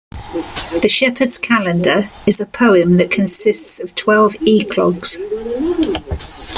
"The Shepheardes Calender" is a poem that consists of twelve eclogues.